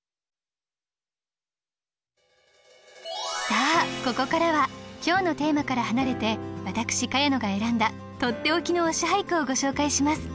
さあここからは今日のテーマから離れて私茅野が選んだとっておきの「推し俳句」をご紹介します。